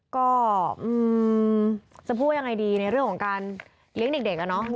ก็จะพูดยังไงดีในเรื่องของการเลี้ยงเด็กอะเนาะ